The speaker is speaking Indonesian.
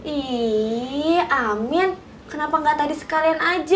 ini amin kenapa nggak tadi sekalian aja